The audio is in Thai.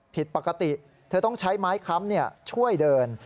ผิดปกติเธอต้องใช้ไม้ค้ำช่วยเดิน